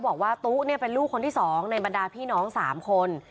บอกว่าตุ๊เป็นลูกคนที่๒ในบรรดาพี่น้อง๓คน